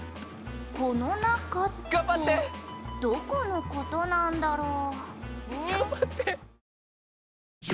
“この中”ってどこの事なんだろう？」